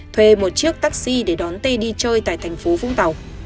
thuê một chiếc taxi để đón tê đi chơi tại thành phố vũng tàu